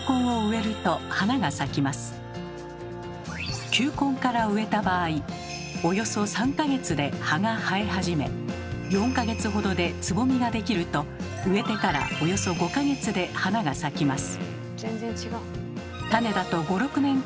この球根から植えた場合およそ３か月で葉が生え始め４か月ほどでつぼみができると植えてからおよそ５か月で花が咲きます。